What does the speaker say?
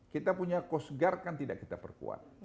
kita punya coast guard kan tidak kita perkuat